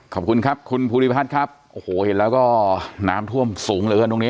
ขอบคุณครับคุณภูริพัฒน์ครับโอ้โหเห็นแล้วก็น้ำท่วมสูงเหลือเกินตรงนี้